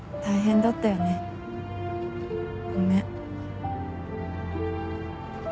大変だったよねごめん。